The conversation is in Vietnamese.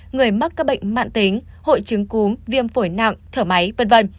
người mắc các bệnh mạng tính hội chứng cúm viêm phổi nặng thở máy v v